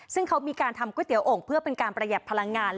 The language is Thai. ซึ่งเขามีการทำก๋วยเตี๋โอ่งเพื่อเป็นการประหยัดพลังงาน